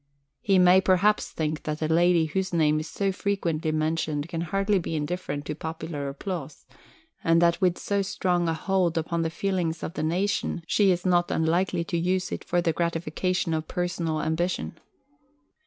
He may perhaps think that a lady whose name is so frequently mentioned can hardly be indifferent to popular applause and that with so strong a hold upon the feelings of the nation, she is not unlikely to use it for the gratification of personal ambition.